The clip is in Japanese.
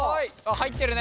入ってるね。